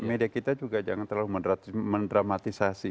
media kita juga jangan terlalu mendramatisasi